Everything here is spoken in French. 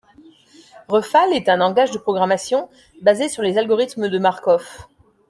Refal est un langage de programmation basé sur les algorithmes de Markov.